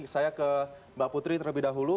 saya ke mbak putri terlebih dahulu